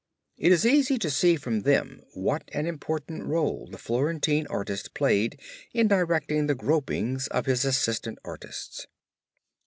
It is easy to see from them what an important role the Florentine artist played in directing the gropings of his assistant artists.